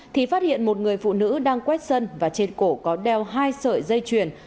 thì phát hiện một người phụ nữ đang quét sân và trên cổ có đeo hai sợi dây chuyền